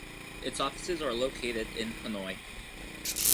Its offices are located in Hanoi.